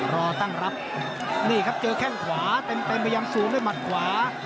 รอตั้งรับนี่ครับเจอแข้งขวาเต็มพยายามสูงด้วยหมัดขวา